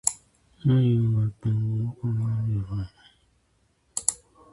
未来へ向かってこう僕は感じたの